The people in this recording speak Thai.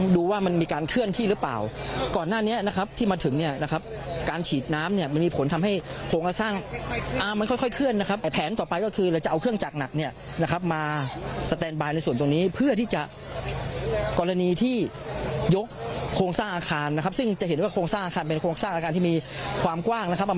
ดูว่ามันมีการเคลื่อนที่หรือเปล่าก่อนหน้านี้นะครับที่มาถึงเนี่ยนะครับการฉีดน้ำเนี่ยมันมีผลทำให้โครงสร้างมันค่อยเคลื่อนนะครับไอแผนต่อไปก็คือเราจะเอาเครื่องจักรหนักเนี่ยนะครับมาสแตนบายในส่วนตรงนี้เพื่อที่จะกรณีที่ยกโครงสร้างอาคารนะครับซึ่งจะเห็นว่าโครงสร้างอาคารเป็นโครงสร้างอาคารที่มีความกว้างนะครับ